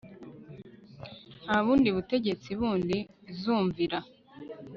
nta bundi butegetsi bundi zumvira